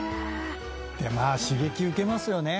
まあ刺激受けますよね。